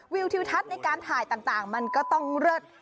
ทิวทัศน์ในการถ่ายต่างมันก็ต้องเลิศ